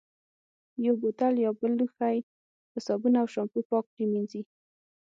یو بوتل یا بل لوښی په صابون او شامپو پاک پرېمنځي.